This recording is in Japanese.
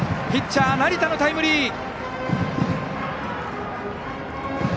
ピッチャー、成田のタイムリー！